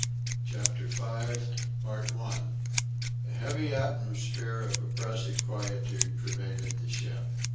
CHAPTER FIVE A heavy atmosphere of oppressive quietude pervaded the ship.